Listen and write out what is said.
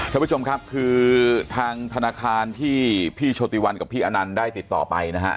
ท่านผู้ชมครับคือทางธนาคารที่พี่โชติวันกับพี่อนันต์ได้ติดต่อไปนะฮะ